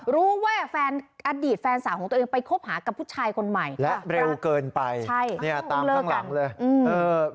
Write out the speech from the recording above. รู้ว่าแฟนอดีตแฟนสาวของตัวเองไปคบหากับผู้ชายคนใหม่และเร็วเกินไปใช่เนี่ยตามข้างหลังเลยอืมเออ